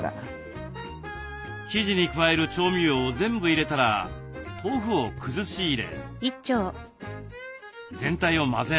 生地に加える調味料を全部入れたら豆腐を崩し入れ全体を混ぜ合わせます。